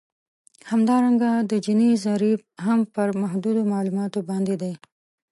همدارنګه د جیني ضریب هم پر محدودو معلوماتو باندې دی